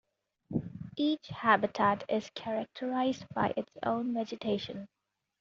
Each habitat is characterised by its own vegetation.